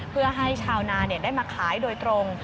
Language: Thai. เพื่อให้ชาวนาได้มาขายโดยตรง